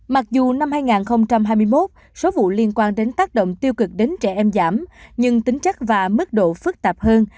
mặc dù năm hai nghìn hai mươi một số vụ liên quan đến tác động tiêu cực đến trẻ em giảm nhưng tính chất và mức độ phức tạp hơn